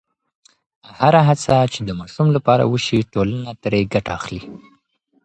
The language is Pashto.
هره هڅه چې د ماشوم لپاره وشي، ټولنه ترې ګټه اخلي.